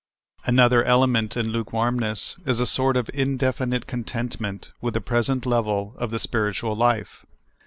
Another element in lukewarmness is a sort of indefi nite contentment with the present level of the spirit ual life.